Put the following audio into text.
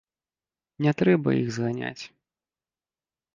Не трэба іх зганяць.